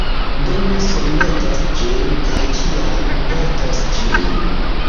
Do mi surmetos ĝin, kaj ĉiam portos ĝin.